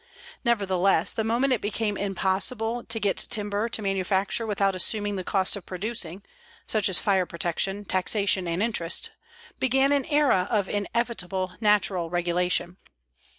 Nevertheless, the moment it became impossible to get timber to manufacture without assuming the costs of producing, such as fire protection, taxation and interest, began an era of inevitable natural regulation.